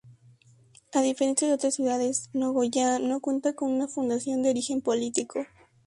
A diferencia de otras ciudades, Nogoyá no cuenta con una fundación de origen político.